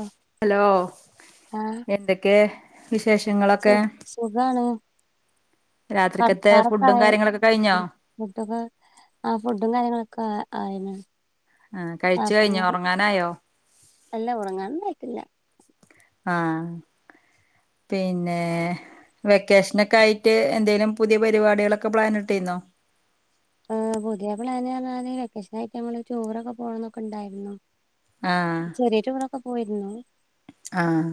ആഹ് hello ആഹ് എന്തൊക്കെ സു വിശേഷങ്ങളൊക്കെ സുഖാണ് രാത്രിക്കത്തെ ഫുഡും കാര്യങ്ങളൊക്കെ കഴിഞ്ഞോ ആഹ് ഫുഡൊക്കെ ആ ഫുഡും കാര്യങ്ങളൊക്കെ ആയിരുന്നു ആ കഴിച്ചു കഴിഞ്ഞോ അപ്പങ്ങനെ ഉറങ്ങാനായോ എല്ലാം ഉറങ്ങാനന്നും ആയിട്ടില്ല ആഹ് പിന്നെ വെക്കേഷനൊക്കെ ആയിട്ട് എന്തെലും പുതിയ പരിപാടികളൊക്കെ പ്ലാനിട്ടീന്നോ ആഹ് പുതിയ പ്ലാൻ പറഞ്ഞാ ലൊക്കേഷൻ ആയിട്ട് ങ്ങൾ ടൂറൊക്കെ പോകണംന്നൊക്കെ ഉണ്ടായിരുന്നു ആ ചെറിയ ടൂറൊക്കെ പോയിരുന്നു ആഹ്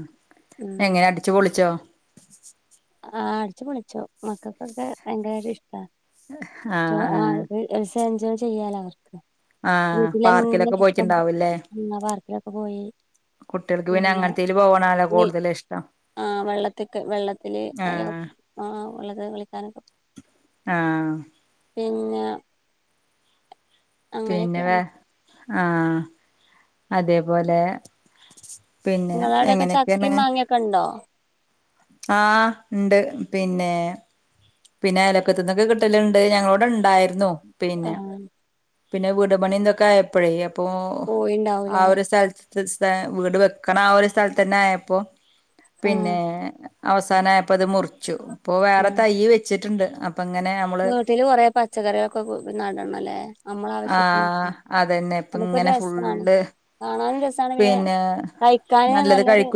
ഉം എങ്ങനെ അടിച്ചു പൊളിച്ചോ ആഹ് അടിച്ചു പളിച്ചോ മക്കൾക്കൊക്കെ ഭയങ്കര ഇഷ്ട ആഹ് ആസഞ്ചോം ചെയ്യാലോ അവർക്ക് ആ വീട്ടിലങ്ങന പാർക്കിലൊക്കെ [unintelligible] പോയിട്ടുണ്ടാവൂല്ലേ പിന്നെ പാർക്കിലൊക്കെ പോയി കുട്ടികൾക്ക് പിന്നെ അങ്ങനത്തേല് പോകണാല്ലോ ഈ കൂടുതല് ഇഷ് ആഹ് വെള്ളത്തിക്കെ വെള്ളത്തില് ആ അയ്ല് ആ ഒള്ളത് പുള്ളിക്കാരൻ ആഹ് പിന്നെ പിന്നെ വേ അങ്ങനെയൊക്കെയാണ് ആഹ് അതേപോലെ പിന്നെ എങ്ങനെക്കേണ് കണ്ടോ ആ ഇണ്ട് പിന്നെ പിന്നെ അലക്കത്തു നിന്നൊക്കെ കിട്ടല്ണ്ട് ഞങ്ങള്ടെ ഇണ്ടായിരുന്നു പിന്നെ ആഹ് പിന്നെ വീട പണിന്തൊക്കെ ആയപ്പഴേ അപ്പൊ ആ പോയിണ്ടാവൂലേ ഒരു സ്ഥലത്ത് [unintelligible] വീട് വെക്കണ ആ ഒരു സ്ഥലത്ത് തന്നെ ആയപ്പോ ആഹ് പിന്നെ അവസാനായപ്പോ അത് മുറിച്ചു ഇപ്പൊ വേറെ ആഹ് തൈ വെച്ചിട്ടുണ്ട് അപ്പ ഇങ്ങനെ നമ്മ വീട്ടില് കുറെ പച്ചക്കറികൊക്കെ നടണല്ലേ നമ്മള ആവശ്യത്തിന് ആഹ് അതന്നെ ഇപ്പ അതക്കൊരു ഇങ്ങനെ രസാണ് ഫുള്ള് കാണാനും രസാണ് പിന്നെ തയ്ക്കാന് നല്ലത് നല്ലൊരു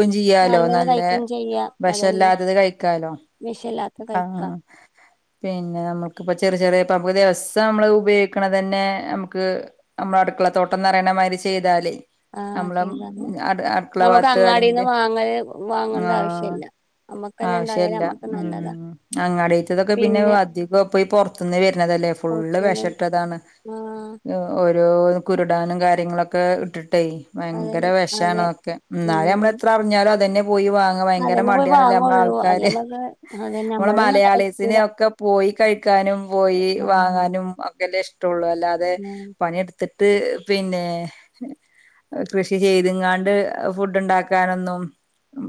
നല്ലൊരു തയ്ക്കയും ചെയ്യാ വെഷ അല്ലാത്തത് കഴിക്കാലോ വിഷല്ലാത്തത് ആഹ് കയിക്കാം പിന്നെ നമ്മുക്കിപ്പ ചെറിയ ചെറിയ പകുതിസം നമ്മള് ഉപയോഗിക്കണ പിന്നെ നമുക്ക് നമ്മള അടുക്കള തോട്ടം നിറയണ മാതിരി ചെയ്താലേ ആഹ് നമ്മളും ചെയ്താല് അട് അടുക്കള നമുക്ക് ഭാഗത്ത് അങ്ങാടിന്ന് അല്ലെങ്കില് വാങ്ങല് വാങ്ങണ്ട ആഹ് ആവശ്യല്ല നമ്മക്കന്നെ ഇണ്ടായാല് ആവശ്യല്ല നമ്മക്ക് നല്ലതാ ഉം അങ്ങാടറ്റതൊക്കെ പിന്നെ അധികപ്പ ഈ പൊ ഇന്നലേ ഇരുന്നതല്ലേ ഫുള്ള് പൊറത്ത്ന്ന് വിഷട്ടതാണ് ആഹ് ആഹ് ഓരോ കുരുടാനും കാര്യങ്ങളൊക്കെ ഇട്ടിട്ടേയ്. ഭയങ്കര അതന്നെ വെഷാണ് അതെ അതൊക്കെ ഇന്നാലും ഉം നമ്മള് എത്ര അറിഞ്ഞാലും അതെന്നെ പോയി വാങ്ങ ങ്ങ ഭയങ്കര അതന്നെ പോയി മടിയാണല്ലേ ഞമ്മള വാങ്ങുള്ളൂ അത് ആൾക്കാര് നമ്മക്ക് അതന്നെ ഞമ്മളെ നമ്മളത് നടക്കൂല മലയാളിസിനൊക്കെ പോയികഴിക്കാനും പോയി ആഹ് വാങ്ങാനും ഒക്കെല്ലേ ഇഷ്ട്ടൊള്ളു അല്ലാതെ ആഹ് പണിയെട്ത് ത്തിട്ട് പിന്നെ ഏഹ് കൃഷി ചെയ്ത്ങ്ങാണ്ട് ഫുഡ് ഇണ്ടാക്കാനൊന്നും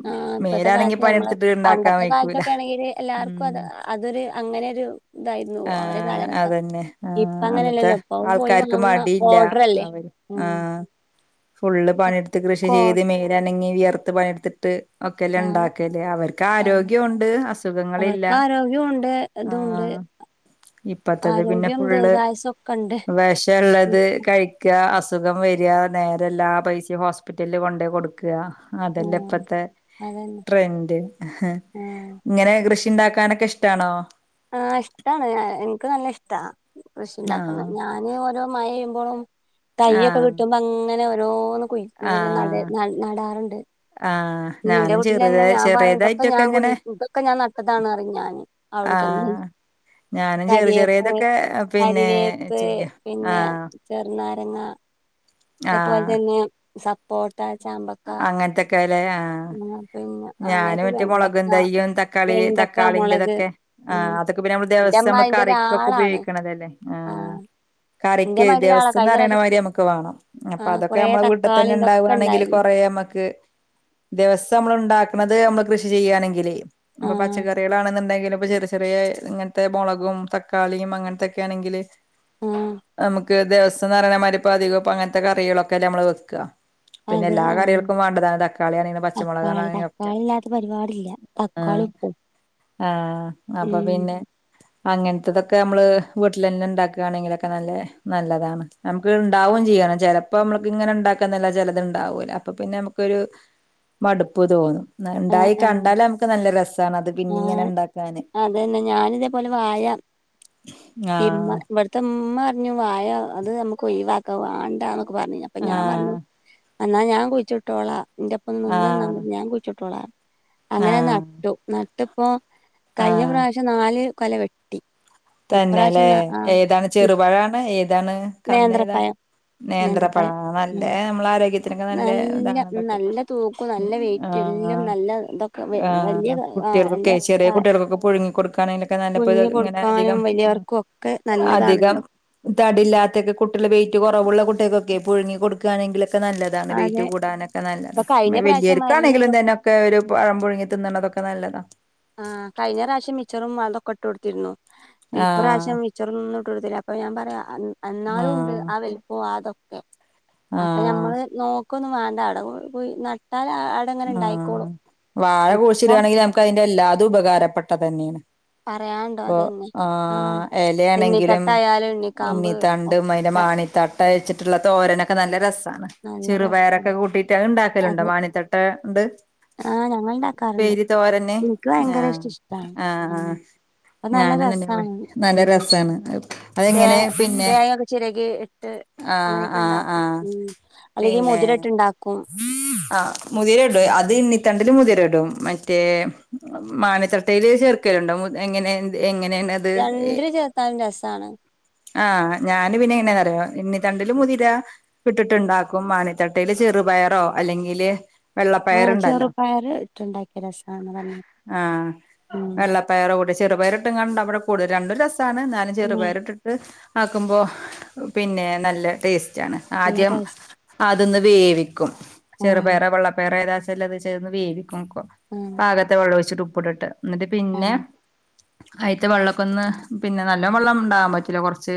ആഹ് ഇപ്പത്തെ കാല്ത്ത് ഞമ്മള് ഇണ്ടാക്കാൻ പണ്ടത്തെ വയ്ക്കൂല കാലത്തൊക്കെണെങ്കില് എല്ലാർക്കും ഉം അത് അതൊരു അങ്ങെനൊരു ആഹ് അതെന്നെ ഇപ്പ ആഹ് ആണ്. ത്തെ അങ്ങനെയല്ലല്ലോ ഇപ്പൊ പോയി ആൾക്കാർക്ക് വാങ്ങ മടിയില്ല ഓർഡറല്ലേ അവര് ഉം ആഹ് ഫുള്ള് പണിയെടുത്ത് കൃഷി കോ ചെയ്ത് മേല് അനങ്ങിവിയർത്ത് പണിയെടുത്ത് ട്ട് ഒക്കെല്ലെ ആഹ് ഇണ്ടാക്കല് അവർക്ക് ആരോഗ്യോണ്ട് അസുഖങ്ങളില്ല. ആരോഗ്യണ്ട് ഇതുണ്ട് ആഹ് ഇപ്പത്തത് പിന്നെ ആരോഗ്യം ഫുള്ള് ദീർഘായുസൊ വെഷള്ളത് കഴ് ക്കാ അസുഖംവെരാ നേരെല്ലാ പൈസിം ഹോസ്പിറ്റലില് കൊണ്ടോയ് കൊട്ക്കാ. അതല്ലേ ആഹ് ഇപ്പത്തെ അതന്നെ ട്രെന്റ് ആഹ് ഇങ്ങനെ കൃഷി ഇണ്ടാക്കാനൊക്കെ ഇഷ്ട്ടാണോ? ആഹ് ഇഷ്ട്ടാണ് ഇൻക്ക് നല്ല ഇഷ്ട്ട കൃഷി ഇണ്ടാക്ക്ണെ ആഹ് ഞാൻ ഇനി ഓരോ മഴയേമ്പോളും ആഹ് തയ്യൊക്കെകിട്ടുമ്പോ അങ്ങനെ ഓരോന്ന് കുയ്ക്കും പിന്നെ നട് ആഹ് നടാറുണ്ട്. ആഹ് പിന്നെ ഇന്റെ ഞാനും ചെറുത വീട്ടിലെന്നെ ഞാൻ പറയും ഇതൊക്കെ ചെറിയതായിട്ടൊക്കെ ഞാൻ ഇങ്ങനെ ഇതൊക്കെ ഞാൻകുയ് ഞാൻനട്ടതാണ്റി ഞാന് ഔടെ ചെന്നാല്. ആഹ് ഞാനും ചെറിയ കര്യേപ്പ് ചെറിയതൊക്കെ പിന്നെ കരിവേപ്പ് ചെയ്യും പിന്നെ. ആഹ് ചെറുനാരങ്ങ ആഹ് അതേപോലെതെന്നെ സപ്പോട്ട, ചാമ്പ അങ്ങൻത്തെക്കെലെ ആഹ്. പിന്നെ അഹ് ഞാന് അങ്ങനൊക്കെ മറ്റെ വെണ്ടക്ക മൊളകുംതയ്യും തക്കാളി വെണ്ടക്ക മുളക് തക്കാളിന്റെതൊക്കെ. ഉം ആഹ് അതൊക്കെ പിന്നെ അമ്മള് ദെവസം എന്റെമ്മ ഞമ്മള് അതിന്റെ കറിക്കൊക്കെ ഒരാളാണ് ഉപയോഗിക്ക്ണതല്ലെ ആഹ്. കറിക്കെ എന്റെമ്മ അതിന്റെ ഒരാളാ ദിവസംന്ന് കഴിഞ്ഞ പറീണെമാതിരി പ്രാവശ്യം ഞമ്മക്ക് വാണം. അപ്പൊ ആഹ് അതൊക്കെ കൊറേ ഞമ്മളെ വീട്ട് തക്കാളി തന്നെ ഇതൊക്കെ ഇണ്ടാവാണെങ്കില് ഉണ്ടായിരുന്നു കൊറേ അമ്മക്ക് ദിവസം നമ്മൾ ഇണ്ടാക്ക ക്ക്ണത് അമ്മള് കൃഷി ചെയ്യാണെങ്കിലെ ഇപ്പൊ ആഹ് പച്ചക്കറികളാന്ന്ണ്ടെങ്കിലും ഇപ്പ ചെറിചെറ്യേ ഇങ്ങൻത്തെ മൊളകും, തക്കാളിയും, അങ്ങൻത്തൊക്കേണെങ്കില് ആഹ് ന്നമുക്ക് ദിവസംന്ന്പറീണമാതിരി പധികം ഇപ്പങ്ങൻത്തെ കറികളൊക്കെല്ലെ ന്നമ്മള് വെക്ക. പിന്നെ അതെ ആഹ് എല്ലാകറികൾക്കും വാണ്ടതാണ് തക്കാളി ആണേലും തക്കാളി പച്ചുമൊളകാണെലും റ്റ തക്കാളി ഇല്ലാത്ത പരിപാടില്ല തക്കാളി ആഹ് ഉപ്പും ആഹ് ഉം അപ്പപിന്നെ അങ്ങൻത്തതൊക്കെ ഞമ്മള് വീട്ടിലെന്നെ ഇണ്ടാക്കാണെങ്കിലൊക്കെ ന്നല്ലെ ന്നല്ലെതാണ്. ഞമക്ക് ഇണ്ടാവും ചെയ്യണം. ചെലപ്പോ ഞമ്മൾക്ക് ഇണ്ടാക്കന്നെല്ല ചെലെത്ണ്ടാവൂല അപ്പൊ പിന്നെ ഞമ്മക്കൊരു മടുപ്പ്തോന്നും. ആഹ് ന്നാഇണ്ടായി ആഹ് കണ്ടാലമ്മക്ക് ന്നല്ലെ രസ താണ് അത് പിന്നിങ്ങനെ ആഹ് ഇണ്ടാക്കാന്. അതന്നെ ഞാനിതേപോലെ വായ ആഹ് ത്തമ്മ പറ്ഞ്ഞു വായ അത് ഞമ്മക്ക് ഒഴിവാക്കാ വാണ്ടാന്നൊക്കെ പറ്ഞ്ഞീനു. അപ്പഞാൻ പറ്ഞ്ഞു. ആഹ് എന്നാഞാൻ കുഴിച്ചിട്ടോളാ ഇന്റൊപ്പം ആഹ് ന്നിന്നന്നാമതി ഞാൻ കുഴ്ച്ചിട്ടോളാ. അങ്ങനെ ആഹ് നട്ടു. നട്ട്പ്പോ കഴിഞ്ഞ ആഹ് പ്രാവിശ്യം നാല് കൊലവെട്ടി. തന്നെലേ ഏതാണ് ചെറുപഴാണ് ഏതാണ് കന്ന് ഏതാ? നേന്ത്രപ്പഴം ന്നേന്ത്രപ്പയോ നേന്ത്രപ്പഴം ഉം ന്നല്ലെ ഞമ്മളെ ആരോഗ്യത്തിനൊക്കെ ന്നല്ലെ നല്ല ഇതാണ് ഉം, അതൊക്കെ. നല്ല തൂക്കും ഉം നല്ല വെയിറ്റ് ആഹ്, എല്ലാം ആഹ്, നല്ല ഇതൊക്കെ വെ- ആഹ് വലിയ കുട്ട് ആഹ് കുട്ട്യേൾകൊക്കെ ചെറ്യേ നല്ല കുട്ട്യേൾക്കൊക്കെ പുഴുങ്ങി കൊടുക്കാണെങ്കിലൊക്കെ ന്നല്ലെപ്പ ഇങ്ങനെ അധികം വല്യവർക്കൊക്കെ ന്നല്ലതാണല്ലോ? തടി ഇല്ലാത്തൊക്കെ കുട്ട്യള് വെയ്റ്റ് കൊറവുള്ള കുട്ട്യേൾക്കൊക്കെ പുഴുങ്ങി കൊടുക്കാണെങ്കിലൊക്കെ ന്നല്ലെ താണ് വെയ്റ്റ് അതെ കൂടാനൊക്കെ ന്നല്ലെത. ഇപ്പൊ കഴിഞ്ഞ മെ പ്രാവശ്യം മരുന്നും വെല്യാേര്ക്കാണെങ്കിലും ഇതൊ തെന്നെ. ഒക്കെ ഒരു പഴം പുഴുങ്ങി തിന്ന്ണതൊക്കെ ന്നല്ലെതാ. ആഹ് കഴ്ഞ്ഞ പ്രാവിശ്യം മിച്ചറും അതൊക്കെ ഇട്ട് കൊടുത്തിരുന്നു. ആഹ് ഇപ്രാവ്ശ്യം മി ച്ചറൊന്നും ഇട്ടൊട്ത്തില്ല. അപ്പ ഞാം പറ്യ. എന്നാലു ഉണ്ട്. ആഹ് ആ വല്പ്പം ആ ഇതൊക്കെ അപ്പ ആഹ് ഞമ്മള് നോക്കൊന്നും വാണ്ട അവിടെ കുയി നട്ടാലാ [unintelligible] ആഹ്. വാഴ കുഴിച്ചിടാണെങ്കി നമുക്ക് അയിന്റെ എല്ലാതും ഉപകാരപ്പെട്ടതന്നേണ്. പറയാണ്ടോ ഇപ്പൊ. അതന്നെ ആ ആഹ് എലേണങ്കിലും എണ്ണിത്തട്ടായാലും ഇണ്ണി എണ്ണിക്കാമ്പ് ത ണ്ടും അയിന്റെ ഒക്കെ മാണിത്തട്ട അയ്ച്ച്ട്ടുള്ള തോരനൊക്കെ നല്ല രസാണ്. നല്ല ചെറുപയറൊക്കെ രസാണ് കൂട്ടി ട്ട് അഹ് ഇണ്ടാക്കല്ണ്ടോ അതെ മാണിത്തട്ടാ ഇണ്ട്. ആ ഞങ്ങൾ ഉണ്ടാക്കാറുണ്ട് ഇപ്പേരി തോരന് എനിക്ക് ഭയങ്കര ആഹ് ഇഷ്ട ഇഷ്ടാണ് ആ ആഹ് അപ്പൊ നല്ല ഞാന് ഇന്ന് വെ രസാണ് നല്ല ഉം രസാണ്. തേ അതെങ്ങനെ പിന്നെ തേങ്ങൊക്കെ ചിരകി ഇട്ട് ആഹ് അങ്ങനൊക്കെ ആഹ് ഇണ്ടാക്കും. ആഹ് ഉം അല്ലെങ്കി മുതിര ഇട്ട്ണ്ടാക്കും. [inaudible] ആഹ് മുതിര ഇടും. അത് ഇണ്ണിത്തണ്ടില് മുതിര ഇടും മറ്റേ മാണിത്തട്ടേല് ചേർക്കല്ണ്ടോ മു എങ്ങനെ എങ്ങനേണ് അത്. രണ്ട്ലു ചേർത്താലും രസാണ്. ആഹ് ഞാന് പിന്നെ എങ്ങനെന്നറിയോ ഇണ്ണിത്തണ്ടില് മുതിര ഇട്ടിട്ട് ഇണ്ടാക്കും. മാണിത്തട്ടേല് ചെറുപയറോ അല്ലെങ്കില് വെള്ളപ്പയർ ആഹ് ഇണ്ടല്ലോ ചെറുപയർ ഇട്ടുണ്ടാക്കിയ രസാന്ന് പറഞ്ഞെ ആഹ് ഉം വെള്ള പയറ് കൂടി ചെറുപയറ് ഇട്ട്ങ്ങാണ്ട് ഇണ്ടാക്കുമ്പഴ കൂടുതല് രണ്ടും രസാണ്. ഇന്നാലും ഉം ചെറുപയറ് ഇട്ടിട്ട് ആക്കുമ്പോ പിന്നെ നല്ല ടേസ്റ്റണ്. നല്ല ആദ്യം ടേസ്റ്റ് അതൊന്ന് വേവി ക്കും ആഹ് ചെറുപേറാ വെള്ളപ്പേറാ ഏതാച്ച ഇല്ലത്ച്ഛാ വേവി ആഹ് പാകത്തെ വെള്ളൊയിച്ഛ് ഉപ്പ് ഇട്ടിട്ട് ഇന്നട്ട് പിന്നെ ആഹ് അയിത്തെ വള്ളക്കൊന്ന് പിന്നെ നല്ലോം വള്ളം ഇണ്ടാവാൻ പറ്റൂല കൊറ്ച്ച്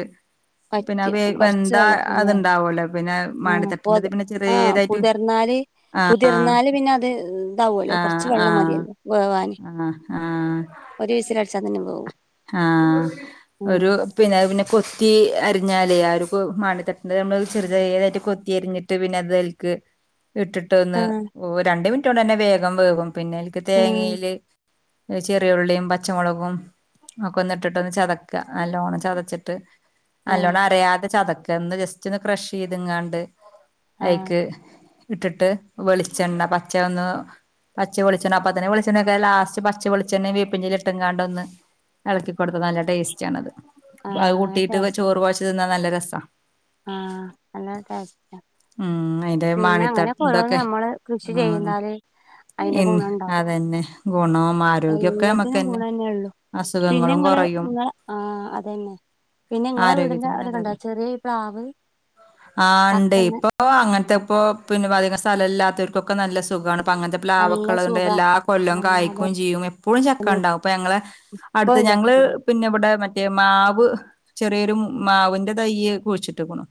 പറ്റാ കൊറ് ച്ച് വള്ളത്ത്ലേ അത്ണ്ടാവല്ലോ പിന്നെ മാണിത്തട്ടിന്റെത് പിന്നെ ആഹ് ചെറിയതായിട്ട് പുതിർന്നാല് ആഹ് കുതിർന്നാല് പിന്നെ അത് ഇതാവൊല്ലോ കൊർച്ച് ആഹ് വള്ളം ആഹ് മതില്ലോ വേവാന് ആഹ് ആഹ് ഒര് വിസില് അടിച്ചാ തന്നെ വേവും ആഹ് ഉം ഒരു പിന്നെ അഅ്പിന്നെ കൊത്തി അരിഞ്ഞാലെ ആ ഒരു മാണിത്തട്ടന്റെ നമ്മള് ചെറ് ചെറിയതായിട്ട് കൊത്തിയരിഞ്ഞ് ഇട്ട് പിന്നെ ഇതൽക്ക് ഇട്ട് ട്ടൊന്ന് ആഹ് ഓ രണ്ട് മിനിറ്റോണ്ടന്നെ വേഗം വേവും പിന്നെയിൽക്ക് തേങ്ങീല് ചെറിയുള്ളിം പച്ചമൊളകും ഒക്കെന്ന് ഇട്ടിട്ടൊന്ന് ചതക്കാ നല്ലോണം ചതച്ചിട്ട് ആഹ് നല്ലോണം അരയാതെ ചതക്കാ ന്ന് ജസ്റ്റ് ഒന്ന് ക്രഷ്യ്ത്ങ്ങാണ്ട് ആഹ് ആഹ് അഐക്ക് ഇട്ടിട്ട് വെളിച്ചെണ്ണ പച്ച ഒന്ന് പച്ചൊളിച്ചെണ്ണ അപ്പൊത്തിന് വെളിച്ചണ്ണൊക്കെ ലാസ്റ്റ് പച്ച വൊളിച്ചണ്ണെ വേപ്പിന്റെലിട്ടുങ്ങാണ്ടൊന്ന് എളക്കി കൊടുത്തത് നല്ല ടേസ്റ്റാണത് അഅ് ആഹ് നല്ല കൂട്ടീട്ട് ചോറ് ടേസ്റ്റാ കൊഴച്ച് തിന്നാം നല്ല രസാ [inaudible] ആഹ് നല്ല ടേസ്റ്റാ ഉം അയിന്റെ പിന്നെ മാണിത്ത അങ്ങനെയൊക്കെ ഓരോന്ന് ഇതൊക്കെ നമ്മള് കൃഷി ആന്ന് ചെയ്താല് അതിന്റെ ഇൻ അതന്നെ ഗുണവു മാ എല്ലത്തിനും ഗുണന്നെ ഒള്ളു പിന്നെ അസുഖങ്ങളും ഇങ്ങള് കൊറയും ഇങ്ങ ആ അതന്നെ പിന്നെ ഇങ്ങളെ വീടിന്റെ ആരോഗ്യത്തിന് അവിടെക്കെണ്ടാ ചെറിയ ഇ പ്ലാവ് ആ ഇണ്ടേ ചക്കന്ന് ഇപ്പൊ അങ്ങനത്തെപ്പോ പിന്നെ അധികം സ്ഥലം ഇല്ലാത്തോര്ക്കൊക്കെ നല്ല സുഖാണ് ഇപ്പ അങ്ങൻത്തെ നല്ല പ്ലാവൊക്കെള്ളഅ്ണ്ട് സുഖ എല്ലാ കൊല്ലം ആ കായ്ക്കും ചെയ്യും എപ്പളും അതന്നെ ചക്കണ്ടാവും ഇപ്പ ഞങ്ങളെ അടുത്ത ഇപ്പഴും ഞങ്ങള് ചക്കണ്ടായി പിന്നെ ഇവിടെ മറ്റേ മാവ് ചെറിയൊരു മാവിന്റെ തയ്യ് കുഴിച്ചിട്ട്ക്ക്ണു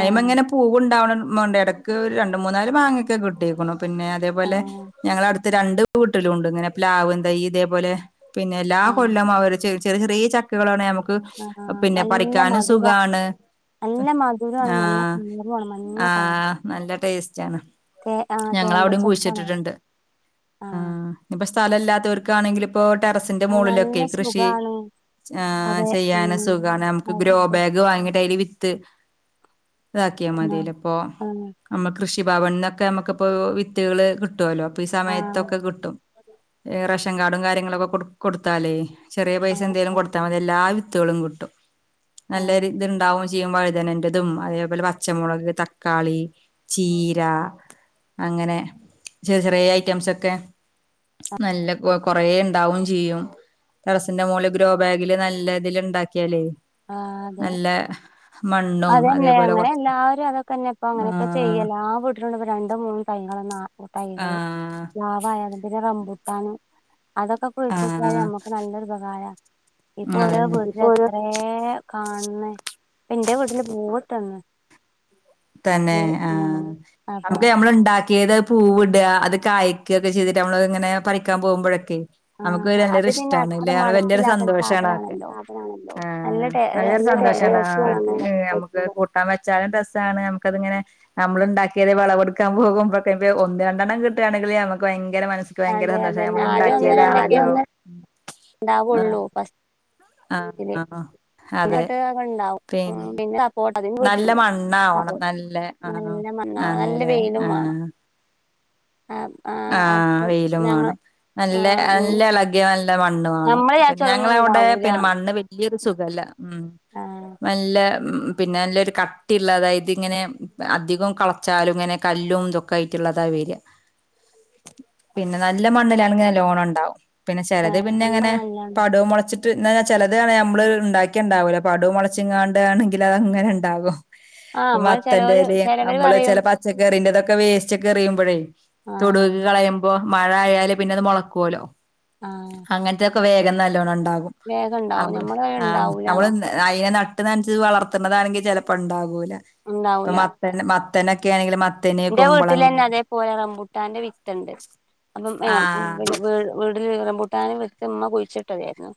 ആ അയ്മങ്ങനെ പൂവുണ്ടാവ് മോണ്ടെട ക്ക് രണ്ട് മൂന്നാല് മാങ്ങക്കെ കിട്ടീക്ക്ണു പിന്നെ ആ അതേപോലെ ഞങ്ങളെ അട്ത്തെ രണ്ട് വീട്ടിലും ഉണ്ട് ഇങ്ങനെ പ്ലാവും തയ്യ് ഇതേ പോലെ പിന്നെ ആ കൊല്ലമാവ് ചെ ചെറീ ചെറീ ചക്കകളാണ് ഞമ്മക്ക് ആ പിന്നെ നല്ല പറിക്കാനും മധുര സുഖാണ് നല്ല മധുരമാണ് നല്ല ആഹ് കളറുമാണ് മഞ്ഞ കളർ ആഹ് നല്ല ടേസ്റ്റാണ് തേ ആ തേൻവൽ ഞങ്ങളവ്ടിം ചക്കാന്ന് പറയും കുഴിച്ചിട്ട്ണ്ട് ആ ആഹ് ഇഞ്ഞ്പ്പം സ്ഥലമല്ലാത്തവർക്കാണെങ്കിലിപ്പോ ടെറസിന്റെ ആ, മോളില് നല്ല കൃഷി സുഖാണ് അതെ ഉം ചെയ്യാനും സുഖാണ് നമുക്ക് അതെ ശരി. ഗ്രോബാഗ് ഗ് വാങ്ങിട്ട് അതില് വിത്ത് ഇതാക്കിയാ ആ മതിലപ്പൊ ആ നമ്മള് കൃഷി ഭവനിന്നൊക്കെ നമുക്ക്പ്പോ വിത്തുകള് കിട്ടുവല്ലോ അപ്പൊ ഈ ആ സമയത്തൊക്കെ കിട്ടും റേഷൻ കാർഡും കാര്യങ്ങളൊക്കെ കൊ കൊടുത്താലേ ചെറിയ ആ പൈസ ആ എന്തെങ്കലും കൊടു മതി എല്ലാ വിത്തുകളും കിട്ടും നല്ലൊ ആഹ് ഇത്ണ്ടാവും ചെയ്യും വഴുതനറതും അതേപോലെ പച്ചമുളക് തക്കാളി ചീര അങ്ങനെ ചെറിയ ചെറിയ ഐറ്റംസ്ക്കെ നല്ല കൊ കൊറേ ഉണ്ടാവും ചെയ്യും ടെറസിൻറ മോള് ല് ഗ്രോബാഗില് നല്ല ഇതിൽ ഉണ്ടാക്കിയാലേ ആഹ് അതെ നല്ല മണ്ണും അതന്നെ അതേപോലെ അങ്ങനെ കുറച്ച് എല്ലാവരും അതൊക്കെന്നെ ഇപ്പം അങ്ങനെയൊക്കെ ആഹ് ചെയ്യല ആഹ് രണ്ടും മൂന്നും തൈകള് തൈകള് ആഹ് പ്പാവായാലും പിന്നെ റമ്പുട്ടാണ് അതൊക്കെ കുഴിച്ച്ട്ടിയാല് ആഹ് നമ്മക്ക് നല്ലൊരുപകാരാ. ഇപ്പൊ ഓരോ അതന്നെ വീട്ടില് ഇപ്പൊ ഓരോ എത്രേ കാണ് ണ് എന്റെ വീട്ടില് പൂവിട്ട്ന്ന് തന്നെ ആഹ് അപ്പ അപ്പൊ നമ്മള് ഇണ്ടാക്കിയത് പൂവ്ട, അത് കായ്ക്കക്കെ ചെയ്തിട്ട് നമ്മള് ഇങ്ങനെ പറിക്കാൻ പോകുമ്പോഴൊക്കെ നമുക്ക് ആഹ് നല്ലൊരു അത് പിന്നെ ഇഷ്ടാണ് അത്ര ല്ലേ. വല്യൊരു മടുപ്പില്ലാത്തൊരു സന്തോഷാണ് അതൊക്കെ സാധനാണല്ലോ നല്ല ആഹ് ടേ നല്ലൊരു രസാണ് അങ്ങനെ സന്തോഷാണ് കഴിക്കുമ്പോ നമുക്ക് പൊ ക്കാൻ വെച്ചാലും രസാണ്. നമുക്കതിങ്ങെനെ നമ്മള് ഇണ്ടാക്കിയത് വളവെട് ക്കാൻ പോകുമ്പൊക്ക ഒന്ന് രണ്ടെണ്ണം കിട്ടാണെങ്കില് നമുക്ക് ഭയങ്കര മന ഭയങ്കര അതെ സന്തോഷം അതന്നെ നമ്മള് ഇണ്ടാക്കിയത [unintelligible] ണ്ടാവുള്ളൂ ഫസ് ആഹ് ആഹ് അതെ ന്നട്ട് അതൊക്കെണ്ടാവും പിന്നെ ട്ട അതിനും നല്ല വീട്ടിലുണ്ട് അപ്പൊ മണ്ണാവണം നല്ല ആഹ് നല്ല മണ്ണാവ നല്ല ആന്നല്ലേ വെയിലും മാണം. ആഹ് ആഹ് ആഹ് വെയിലും വാണം. ആ നല്ല ഇന്ന് നല്ലള കിയ നല്ല മണ്ണ് വാണം. നമ്മള് വിചാരിച്ചും അതൊന്നും ഞങ്ങളവിടെ പിന്നെ ഉണ്ടാവൂലാന്ന് മണ്ണ് വല്ല്യൊരു സുഖല്ല ആ നല്ല പിന്നെ നല്ലരു കട്ടിയുള്ള അതായത് ഇങ്ങനെ അധികം കളച്ചാലും ഇങ്ങനെ കല്ലും ഇതൊക്കെ ക്കായിട്ട്ള്ളതാ വരാ പിന്നെ നല്ല മണ്ണിലാണെങ്കി നല്ലോണം ണ്ടാവും. പിന്നെ ചെലത് പിന്നെ നല്ല അങ്ങനെ നല്ലണ്ട പടോം മൊളച്ച് ട്ട് ചെലതാണേ നമ്മള് ഇണ്ടാക്ക്യാണ്ടാവുല്ല. പടും മൊളച്ചുംങ്ങ ണ്ടാണെങ്കില് അതങ്ങനെ ഇണ്ടാകും. ആ പ്പ നമ്മള് ചെലോര് മത്തൻ്റെലിം ചെലവര് അമ്മള് പറയും ചെല പ ച്ചക്കറിന്റെതൊക്കെ വേസ്റ്റെക്കെറിയുമ്പഴേ ആ തൊടൂക്ക് കളയുമ്പോ മഴ ആയാല് പിന്നെ അത് മൊളക്കോലോ ആ അങ്ങ ൻത്തൊക്കെ വേഗം നല്ലോണം ഇണ്ടാകും. വേഗം ഉണ്ടാവും നമ്മള് പറയും നമ്മള് ഉണ്ടാവൂലാന്നൊക്കെ അയിന് ന ട്ട് നൻച്ച് വളർത്ത്ണതാണെങ്കി ചെലപ്പോ ണ്ടാകൂല. ഇപ്പൊ ഉണ്ടാവൂല മത്ത മത്തനൊക്കെ ആണെങ്കില് മ ത്തന്, കുമ്പളങ്ങ പോയ റമ്പൂട്ടാന്റെ വിത്ത്ണ്ട്. അപ്പം പി ആ വീ വീട്ല് റംമ്പൂട്ടാനെ വിത്ത്മ്മ കുഴിച്ചിട്ടതായിരുന്നു.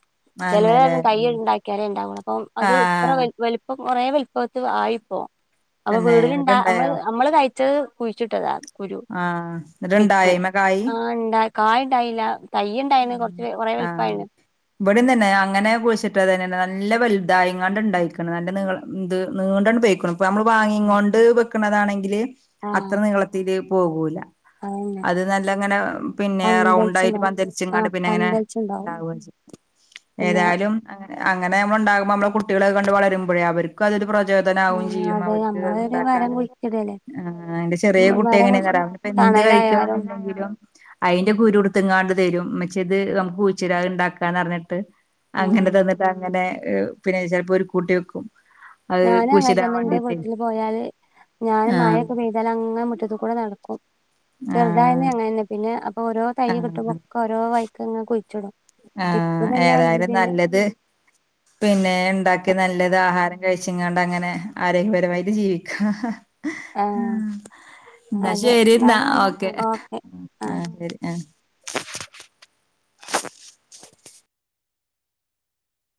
ചെലര് അന്നല്ലേ റിം ഉം തയ്യ് ഇണ്ടാക്കിയാലേ ഇണ്ടാവുള്ളൂ. അപ്പം അത് ഇത്ര ആഹ് വലു കൊറേ വൽപ്പത്ത് ആയിപ്പോ അപ്പൊ തന്നെ വീട്ട്‌ല്ണ്ടാ നമ്മ എന്നിട്ടുണ്ടായോ നമ്മള് കഴി ച്ചത് കുഴിച്ചിട്ടതാ കുരു ആഹ് വിത്ത് എന്നിട്ടുണ്ടായ അയ്മെ കായി ആണ്ടാ കായ്ണ്ടായില്ല. തയ്യ് ഇണ്ടായ്ണ്. കൊർച്ച് കൊറെ വൽപ്പായിണ്. ഇവടിം തന്നെ അങ്ങനെ കുയിച്ചിട്ടതന്നെ നല്ല വലുതായ്ങ്ങാണ്ട് ഇണ്ടായിക്ക്ണ്. നല്ല നീ ഇ നീണ്ടാണ്ട് പോയിക്ക്ണ്. പ്പം നമ്മള് വാങ്ങിങ്ങോണ്ട് വെക്കണതാണെങ്കില് അത്ര ആഹ് നീളത്തില് പോകൂല. അതന്നെ അത് നല്ലങ്ങനെ പിന്നെ റൗണ്ട് ആയിട്ട് പന്തലിച്ചുണ്ടാവും പന്ത ങ്ങാണ്ട് ആഹ് പിന്നെങ്ങനെ പന്തലിച്ചുണ്ടാവും ഇണ്ടാവ ചെയ്യാ പിന്നെ ഏതായാലും അങ്ങനെ നമ്മള് ഇണ്ടാവുമ്പോ നമ്മളെ കുട്ടിയള് കണ്ട് വളരുമ്പഴേ അവര് ക്ക് അതൊരു പ്രചോദനം ആവും ആഹ് ചെയ്യും അതെ അവർക്ക് നമ്മള് ഒരു മരം അത്ണ്ടാക്കാനും കുഴിച്ചിടല്ലേ ഇന്റെ ചെറീ ഉം, കുട്ടി മരം എങ്ങനെ കുഴിച്ച ന്നറിയോ അ എന്ത് തണലായാലും കഴിക്കാണ്ന്ന്ണ്ടെങ്കിലും അയ്ന്റെ കരു ഇട്ത്ത്ങ്ങാണ്ട് തരും. മ്മച്ചേ ഇത് നമുക്ക് കൂഴിച്ചിടാ ഇണ്ടാക്കാന്നർഞ്ഞിട്ട് ആഹ് അങ്ങനെ തന്നിട്ട് അങ്ങനെ പിന്നെ ചെലപ്പോ ഒരു കൂട്ടി വെക്കും. അത് ഞാനും അങ്ങനെ കുഴിച്ചിടാൻ തന്നെ ന്റെ വേണ്ടീട്ടേ വീട്ടില് പോയാല് ഞാൻ ആഹ് മയൊക്കെ പെ യ്താല് അങ്ങെ മുറ്റത്ത് കൂടെ നടക്കും. ചെറുതായെന്നേ ആഹ് അങ്ങനന്നെ പിന്നെ അപ്പൊ ഓരോ തയ്യ കിട്ടുമ്പോ ആഹ് ക്കോരോ വൈക്ക് ഇങ്ങനെ കുഴിച്ചിടും. ഇപ്പ ആഹ് തന്നെ ഏതായാലും പിന്നെ നല്ലത് പിന്നെ ഇണ്ടാക്കി നല്ലത് ആഹാരം കഴിച്ച്ങ്ങാണ്ട് അങ്ങനെ ആരോഗ്യപരമായിട്ട് ജീവിക്ക ആഹ് ന്നാ അതെ ശരി ന്നാ എന്നാലും കണ്ട ഓക്കെ ആഹ് ശരി [inaudible]